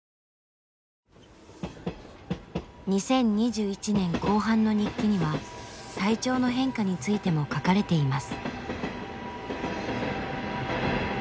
２０２１年後半の日記には体調の変化についても書かれています。